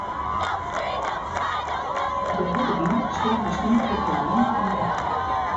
De hurde wyn soarge sneon foar problemen yn Drachten.